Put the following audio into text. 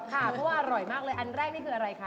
เพราะว่าอร่อยมากเลยอันแรกนี่คืออะไรคะ